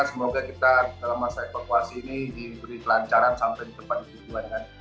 semoga kita dalam masa evakuasi ini diberi kelancaran sampai di tempat tujuan kan